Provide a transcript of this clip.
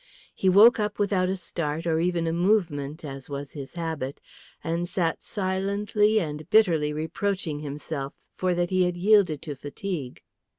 He woke up without a start or even a movement, as was his habit, and sat silently and bitterly reproaching himself for that he had yielded to fatigue.